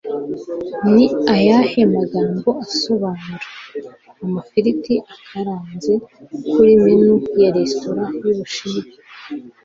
Ni ayahe magambo asobanura "Amafiriti akaranze" kuri menu ya Restaurant y'Ubushinwa